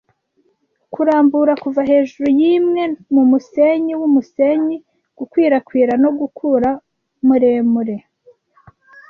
kurambura kuva hejuru yimwe mumusenyi wumusenyi, gukwirakwira no gukura muremure